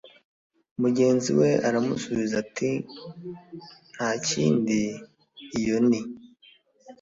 mugenzi we aramusubiza ati nta kindi iyo ni